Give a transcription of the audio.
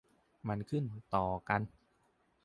มันขึ้นต่อกัน